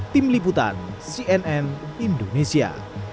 tim liputan cnn indonesia